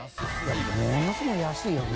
ものすごい安いよね